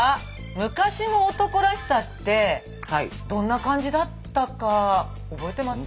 昔の男らしさってどんな感じだったか覚えてます？